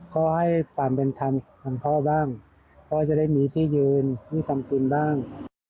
ก็ให้ความเป็นธรรมทางพ่อบ้างพ่อจะได้มีที่ยืนที่ทำกินบ้าง